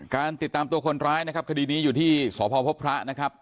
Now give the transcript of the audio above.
การติดตามตัวคนร้ายนะครับคดีนี้อยู่ที่สพพพระนะครับ